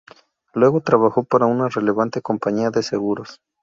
Luego trabajó para una relevante compañía de seguros.